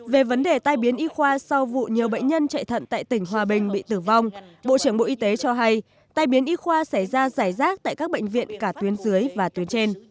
về vấn đề tai biến y khoa sau vụ nhiều bệnh nhân chạy thận tại tỉnh hòa bình bị tử vong bộ trưởng bộ y tế cho hay tai biến y khoa xảy ra giải rác tại các bệnh viện cả tuyến dưới và tuyến trên